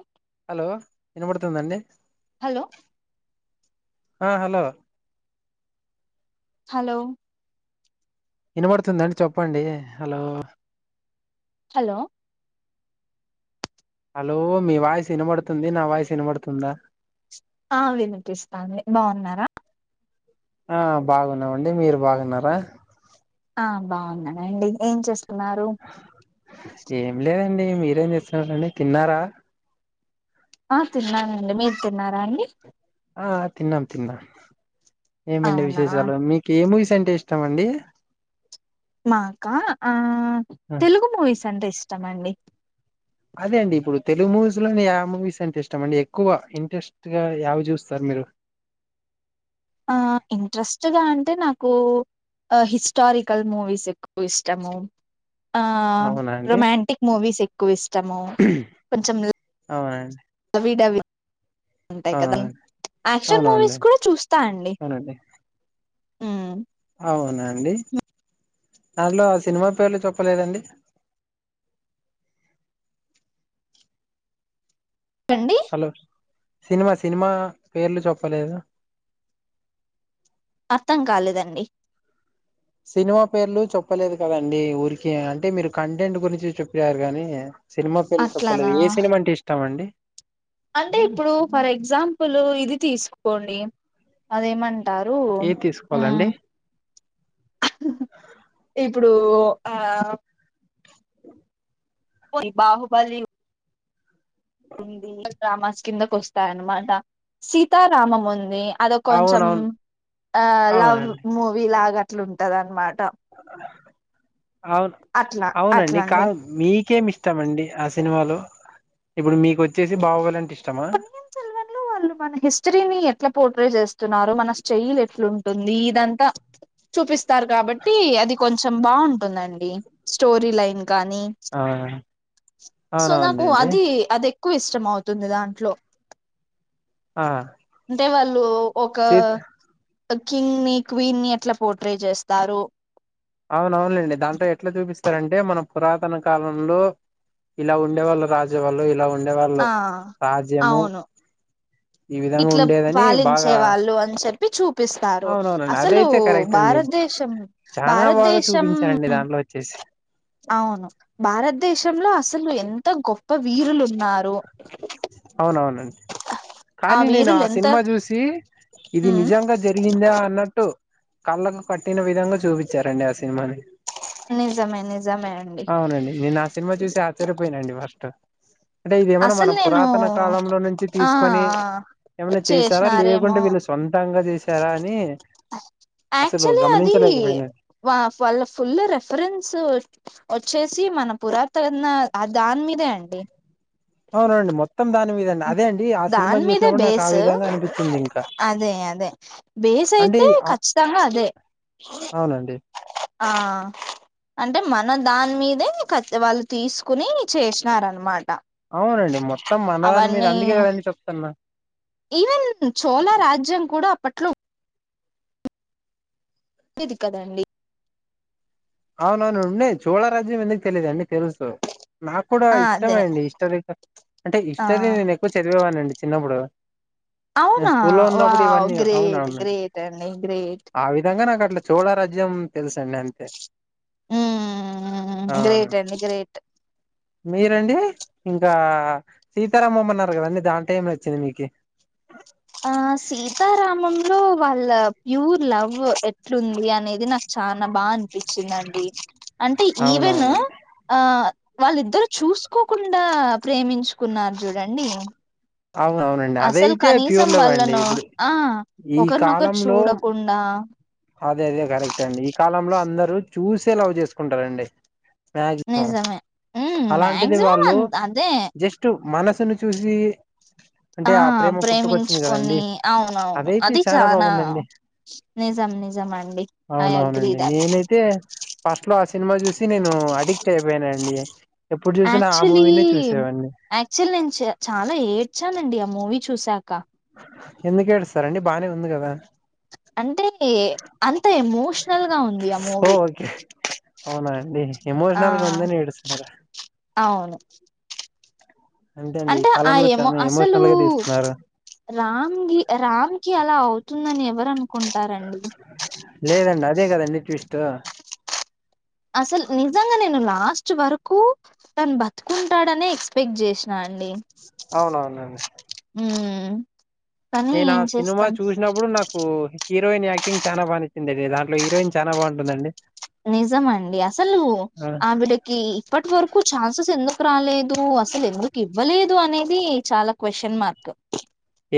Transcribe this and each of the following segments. అఓ హలో విన పడుతుందండి హలో ఆ హలో హలో వినబడుతుందండి చెప్పండి హలో హలో హలో మీ వాయిస్ వినబడుతుంది నా వాయిస్ వినబడుతుందా ఆ వినిపిస్థాంది బాగున్నారా ఆ బాగున్నామండి మీరు బాగున్నారా ఆ బాగున్నానండి ఏం చేస్తున్నారు ండి మీరేం చేస్తున్నారండి తిన్నారా ఆ తిన్నానండి మీరు తిన్నారా అండి ఆ తిన్నాం తిన్నాం ఏమండి అవునా విశేషాలు మీకు ఏమి ఇస్ ంటే ఇష్టమండి మాకా తెలుగు మూవీస్ అంటే ఇష్టం అండి అదే అండి ఇప్పుడు తెలుగు మూవీస్ లోనే మూవీస్ అంటే ఇష్టం అండి ఎక్కువ ఇంట్రెస్ట్ గ ఏవి చూస్తారు మీరు ఆ ఇంట్రెస్ట్గా అంటే నాకు హిస్టారికల్ మూవిస్ ఎక్కువ ఇష్టము ఆ అవునా అండి రొమాంటిక్ మూవీస్ ఎక్కువ ఇష్టము కొంచెం అవునండి విడవి అంటాయి కదా అవునవును యాక్షన్ మూవీస్ అవునవునులేండి కూడా చూస్తా అండి అవునండి ఆ అవునా అండి దాట్లో ఆ సినిమా పేర్లు చెప్పలేదండి అండి హలో సినిమా సినిమా పేర్లు చెప్పలేదు. అర్థం కాలేదండి. సినిమా పేర్లు చెప్పలేదు కదండి ఊరికె అంటే మీరు కంటెంట్ గురించి చెప్పారు కాగానీ సినిమా పేరు చెప్పలేదు అట్లానా ఏ సినిమా అంటే ఇష్టాం అండి అంటే ఇప్పుడు ఫర్ ఎగ్జాంపుల్ ఇది తీసుకోండి అదేమంటా టరు ఏ తీసుకోవాలండి ఇప్పుడు ఆ బాహుబలి ఉ డ్రామాస్ కిందక వస్తాయన్నమాట సీతారామం ఉంది అద కొంచెం అవునవును ఆ లవ్ అవునండి మూవీ లాగా అట్లుంటంది అన్నమాట అవును అవునండి అట్లా అండి కాదు మీకు కేమి ఇష్టాం అండి ఆ సినిమాలో ఇప్పుడు మీకు వచ్చేసి బహుబలంటే ఇష్టం పుల్వాన్ సెల్వన్ లో వాళ్ళు మన హిస్టరీని ఎట్లా పో చేస్తున్నారు మన స్టైల్ ఎట్లాంటుంది ఇదంతా చూపిస్తు చూపిస్తారు కాబట్టి అది కొంచెం బాగుంటుందండి స్టోరీ లైన్ కానీ ఆ సో నాకు అవునవునండి అది అది ఎక్కువ ఇష్టమవుతుంది దాంట్లో ఆ అంటే వాళ్ళు ఒక సీత కింగ్ ని క్వీన్ ని అట్లా పోర్ట్రేట్ చేస్తారు. అవునవునండి దాంట్లో ఎట్లా చూపిస్తారంటే మన పురాతన కాలంలో ఇలా ఉండే వాళ్ళు రాజా వాళ్ళు ఇలా ఉండే వాళ్ళు ఆ రాజ్యము అవును ఈ విధంగా ఇట్లా ఉండేదని పాలించే బాగా వాళ్ళు అని చెప్ప చూప్పిస్తారు అవునవునండి అసలు అదైతే కరెక్ట్ అండి భారతదేశం చానా బాగా భారతదేశం చూపించారండి దాంట్లో వచ్చేసి అవును భారతదేశంలో అసలు ఎంత గొప్ప వీరులున్నారు. అవునవునండి. కానీ నేను వీరులు ఆ ఎంత సినిమా చూసి ఇది ఉమ్ నిజంగా జరిగిందా అన్నట్టు కళ్ళకు కట్టిన విధంగా చూపించారండి ఆ సినిమా నిజమే నిజమే అండి అవునండి నేను నా సినిమా చూసి ఆశ్చర్యపోయినాండి ఫస్ట్ అంటే ఇదిమైన్నా మన అసలు నేను పురాతన కాలంలో నుంచి ఆ తీసుకొని ఆ, ఏమైన్నా చేశారా చేసినారేమో లేకుంటే వీళ్ళు సొంతంగా చేశారా అని అసలు యాక్చువలీ అది గమనించలేకపోయినా వాళ్ళ ఫుల్ రెఫరెన్స్ వచ్చి వచ్చేసి మన పురాతన ఆ దాని మీదే అండి. అవునండి మొత్తం దాని మీదనే దాని మీదే బేస్ అనిపించింది ఇంకా అదే అదే బేస్ అంటే అయితే ఆ కచ్చితంగా అదే అవునండి ఆ అంటే మన దాని మీదే వాళ్ళు తీసుకుని చేసినారనమాట అవునండి మొత్తం మనదాని మీద అవన్నీ అందుకే కదా అండి చెప్తున్నా. ఈవెన్ చోలా రాజ్యం కూడా అప్పట్లో డిది కదండి అవునవును ఉన్నాయ్ చోళారాజ్యం ఎందుకు తెలిదండి తెలుసు నాకు కూడా ఆ అదే ఇష్టమే అండి హిస్టరీ అంటే ఆ హిస్టరీ నేను ఎక్కువ చదివేవానండి చిన్నప్పుడు నేను అవునా స్కూలో వా ఉన్నప్పుడు ఇవన్నీ అవును గ్రేట్ అవునండి గ్రేట్ అండి గ్రేట్ ఆ విధంగా నాకు అట్లా చూడ్ రాజ్యం తెలుసండి అంతే ఉమ్ గ్రేట్ అవునవునండి అండి గ్రేట్ మీరండి ఇంకా సీతారామం అన్నారు కదండి దాంట్లో ఏం నచ్చింది మీకి ఆ ఆ సీతారామంలో వాళ్ళ ప్యూర్ లవ్ ఎట్లుంది అనేది నాక్ చానా బా అనిపించిందండి అంటే ఈవెన్ అవునవునండి ఆ వాళ్ళిద్దరు చూసుకోకుండా ప్రేమించుకున్నారు చూడండి అవునవునండి అసలు అదైతే కనీసం ప్యూర్లవ్వండి వాళ్ళను ఇప్పుడు ఆ ఈ ఒకరినొకరు కాలంలో చూడకుండా అదే అదే కరెక్ట్ అండి ఈ కాలంలో అందరు చూసే లవ్ చేసుకుంటారండి మక్సిమం నిజమే మ్మ్ అలాంటిది మాక్సిమం వాళ్ళు అం అదే జస్ట్ మనస్ సును చూసి అంటే ఆ ప్రేమ పుట్టుకొచ్చింది కదండి ప్రేమించుకొని అవునవును అదైతే అది చాలా చానా బాగుందండి నిజం ని అవునవునండి నేనైతే ఫస్ట్ లో ఆసి సినిమా చూసి నేను అడిక్ట్ అయిపోయానానండి యాక్చువల్లీ యాక్చువల్ నేను చాలా ఏడ్చానండి ఆ మూవీ చూశాక ఎందుకేడుస్తారండి బానే ఉంది కదా అంటే అంత ఎమోషనల్ గా ఉంది ఆ ఓ మూవీ ఓకే అవునా అండి ఆ! ఎమోషనల్గా ఉందని ఏడుస్తారా అవును అంతే అండి ఈ అంటే ఆ కాలంలో ఏమో చాలా అసలు ఎమోషనల్ గా తీస్తున్నారు రామ్గి రామ్కి అలా అవ్ తుందని ఎవరు అన్ లేదండి అదే కదండి ట్విస్టు అసలు నిజంగా నేను లాస్ట్ వరకు తను బతుకుంటాడనే ఎక్స్పెక్ట్ చేస్ సా అండి అవునవునండి ఉమ్ నేను ఆ సినిమా చూసినప్పుడు నాకు హీరోయిన్ యాక్టింగ్ చానా బానచ్చిందడి దాంట్లో హీరోయిన్ చానా బాగుంటుందండి నిజం అండి అసలు ఆ ఆవిడకి ఇప్పటి వరకు ఛాన్సెస్ ఎందుక్ క్ రాలేదు అసలు ఎందురికి ఇవ్వలేదు అనేది చాలా క్వశ్చన్ మార్క్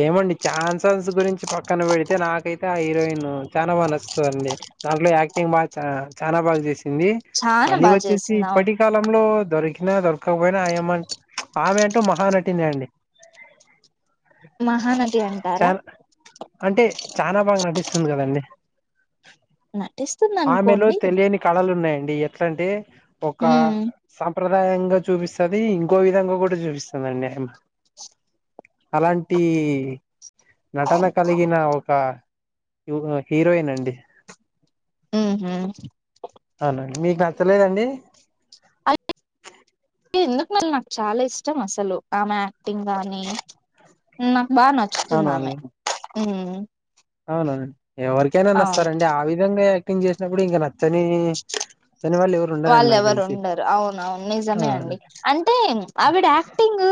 ఏమండి ఛాన్సన్స్ గురించి పక్కన పెడితే నాకైతే ఆ హీరోయిన్ చాలా బాగా నచ్చుతదండి దాంట్లో యాక్టింగ్ బా చ చానా బాగా చేసింది ఇంది చానా మళ్ళీ బాగా వచ్చేసి చేసింది అవును ఇప్పటి కాలంలో దొరి కిన దొరకపోయినా ఆయమంట్ ఆమె అంటే మహానటినే అండి మహానటి అంటారా చాలా అంటే చానా బాగా నటిస్ తుంది కదండి న ఆమెలో తెలియని కళలు ఉన్నాయండి ఎట్లాంటే ఒక హ్మ్ సంప్ర దాయంగా చూపిస్తది ఇంకో విధంగా కూడా చూపిస్తదండి అమ అలాంటి నటన కలిగిన ఒక హీరోయిన్ అండి ఉమ్ హు అవునండి మీకు నచ్చలేదండి ఎందుకు నళ నాకు చాలా ఇష్టం అసలు ఆమె యాక్టింగ్ కాని నా బా నచ్చుతుందామె అవునం ఎవరికైనా తెస్తారంండి ఆ విధంగా యాక్టింగ్ చేసినప్పుడు ఇంక నచ్చని నచ్చని వాళ్ళు ఎవరు ఉండరండి నాకు వాళ్లెవరు తెలిసి ఉండరు అవున అవును ఆ నిజమే అండి అంటే ఆవిడ యాక్టింగ్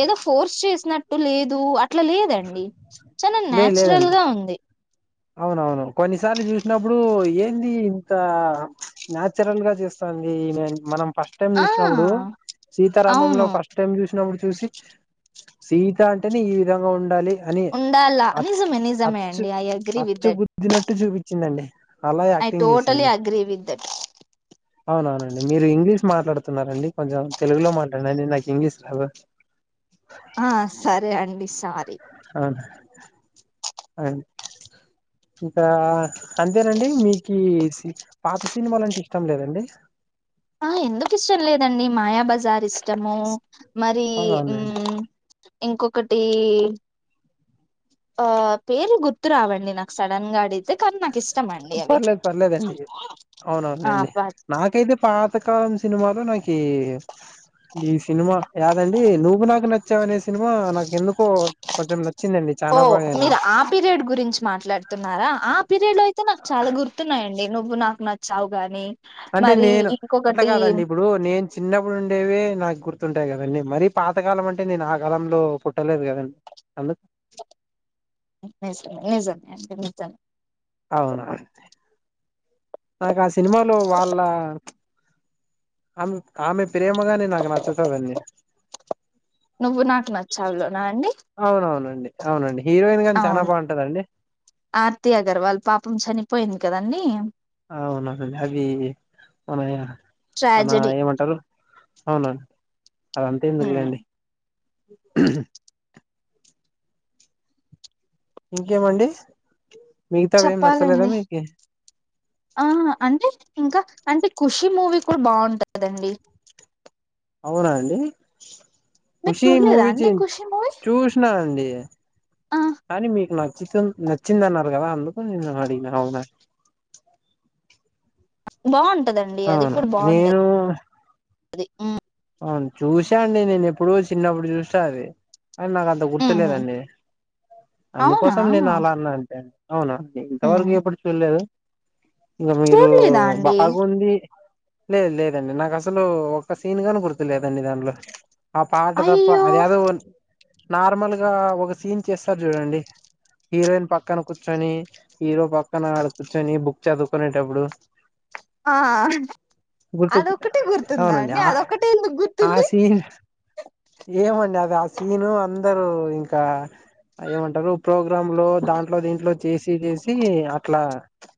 ఏదో ఫోర్స్ చేసినట్టు లేదు అట్ అట్ల లేదండి చాల లే నాచురల్ లేదండి గా ఉంది అవునవును కొన్నిసార్లు చూసినప్పుడు ఏంది ఇంత న్యాచురల్ గా చేస్తా స్తాంది ఈమే అనిమనం ఫస్ట్ టైం ఆ చూసినప్పుడు సీతారాముల్లో అవును ఫస్ట్ టైం చూసినప్పుడు చూసి సీత అంటేనే ఈ విధంగా ఉండాలి అని ఉండాలా అచ్ నిజమే నిజమే అచ్చు అండి ఐ అగ్రీ విత్ అచ్చు దట్ గుద్ధినట్టు చూపించిందండి అల ఐ యాక్టింగ్ టోటలీ చేసింది అగ్రీ విత్ దట్ అవునవున మీరు ఇంగ్లీష్ మాట్లాడుతున్నారండి కొంచెం తెలుగులో మాట్లాడినండి నాకు ఇంగ్లీష్ రాదు ఆ సరే అండి సారీ అ ఆ ఇంకా అంతేనండి మీకీ పాత సినిమ లంటే ఇష్టం లేదండి ఆ ఎందుకు ఇష్టం లేదండి మాయా బజార్ ఇష్ట ఇష్టము మరి అవునవునండి ఇంకొకటి ఆ పేర్ గుర్తు రావండి నాక్ సడన్ గా అడి పర్లేద్ పర్లేదండి ఆ అవునవునండి బట్ నాకైతే పాత్ తకాలం సినిమాలో నాకు ఈ సినిమా యాదండి నువ్వు నాకు నచ్చావనేసి సినిమా నాకెందుకో కొంచెం నచ్చిందండి ఓ చనాా బాగానే మీరు ఆ పీరియడ్ గురించి మాట్లాడుతున్నారా ఆ పీరియడ్లో అయితే నాకు చాల గుర్తున్నాయంండి నువ్వు నాకు నచ్చావు గాని అంటే మరి నేను అట్ల ఇంకొకటి కాదండి ఇప్పుడు నేను చిన్నప్పుడు ఉండేవె నాకు గుర్తు ర్తుంటాయి కదండీ మరిీ పాతకాలం అంటే నేను ఆ కాలంలో పుట్టలేదు కదండీ హలొ నిజం [unintelligible] అవునా అయితే నాక ఆ సినిమాలో వాళ్ళ అమ్ ఆమె ప్రేమగానే నాక్ నచ్చుతాడండి నువ్వు నాకు నచ్చావులోన అండి అవునవునండి అవునండి హీరోయిన్ గాని చానా అవును బాగుంటదండి ఆర్తి అగర్వాల్ పాపం చనిపోయింది కదండి అవునండి అది మన మనా ట్రాజడీ ఏమంటారు అవునా అదంత హ్మ్ ఎందుకులేండి ఊహు ఇంకేమండి మిగతావి ఏం నచ్చలేదా చెప్పాలండి మీకు ఆ అంటే ఇంక అంటే ఖుషీ మూవీ కూడ బాగుంటందండి అవునా అండి మీరు ఖుషి చూడలేదా మూవీ అండి ఖుషి మూవీ చూసినా అండి ఆ కాని మీకు నచ్చితు నచ్చిందన్నారు కదా అందుకు నేను అడిగిన అవునా బాగుంటదండి అది అవును కూడ బాగుంట నేను అది అవున్ చూసా అండి నేను ఎప్పుడు చిన్నప్పుడు చూసా అది అ నాకు అంత గుర్తు హ్మ్ తెలేదండి అవునా అందుకోసం నేను అలా అన్నా అంతె అవున హ్మ్ ఇంతవరకు ఎప్పుడు చూడలేదు ఇంకా మీరు చూడలేదా అండి బాగుంది లేద్ లేదండి నాకసలు ఒక సీన్ కను గుర్తు లేదండి దాంట్లో ఆ పాట తప్ప అయ్యో అది ఏదో నార్మల్గ ఒక సీన్ చేస్తారు చూడండి హీరోయిన్ పక్కన కూర్చొని హీరో పక్కన ఆడ కూర్చొని బుక్ చదువుకునేటప్పుడు ఆ గుర్తొచ్చిం అదొక్కటే గుర్తుందా అవునండి అండి ఆ అదొక్కటే ఎందుకు ఆ గుర్తుంది సీన్ ఏమండి అది ఆ సీను అ అందరు ఇంకా ఏమంటారు ప్రోగ్రామ్ లో దాంట్లో, దీంట్లో చేసి చేసి అట్లా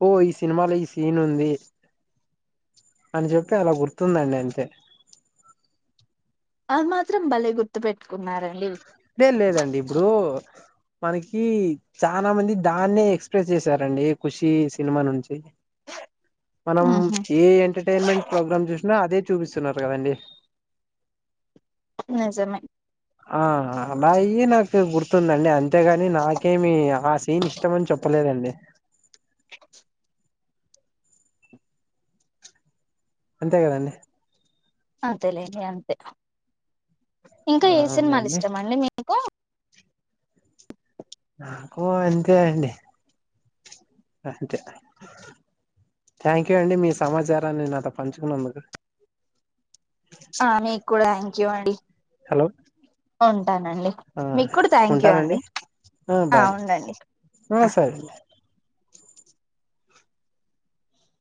ఓ ఈ సినిమాలో ఈ సీన్ ఉంది. అని చెప్పి అలా గుర్తుందండి అంతే అ మాత్రం భలే గుర్తు పెట్టుకున్నారు దే లేదండి ఇప్పుడు మనకి చాలా మంది దాన్నే ఎక్స్ప్రెస్ చేసారండి ఖుషి సినిమా నుంచి. మనం హ్మ్ హు ఏ ఎంటర్టన్మెంట్ ప్రోగ్రామ్ చూసినా అదే చూపిస్తున్నారు కదండి. నిజమె ఆ అలాయి నాకు గుర్తుందండి అంతేగాని నాకేమి ఆ సీన్ ఇష్టమని చెప్పలేదండి. మీకు అంతే కదండి అంతేలేండి అంతే ఇంకా ఆ ఏ సినిమాలు అవునండి ఇష్టం అండి మీకు. కో అంతే అండి. అంతేన థ్యాంక్ యూ అండి మీ సమాచారాన్ని నాతో పంచుకున్నందుకు. స మీకు కూడా థ్యాంక్ యూ అండి. హలో ఉంటానండి. ఆ మీకు కూడా థ్యాంక్ యూ ఉంటానండి అండి. ఆ ఉండండి ఆ అ సరే